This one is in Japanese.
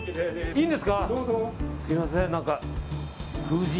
いいですか。